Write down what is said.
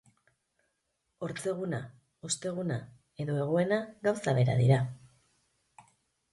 Ortzeguna, osteguna edo eguena gauza bera dira.